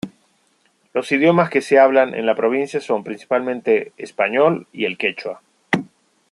Los idiomas que se hablan en la provincia son principalmente español y el quechua.